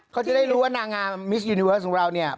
เขาจะได้รู้ว่านางงามมิสยูนิเวิร์สของเราเนี่ย